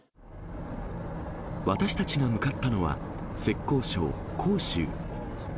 私たちが向かったのは、浙江省杭州。